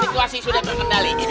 tenang usah tu pakde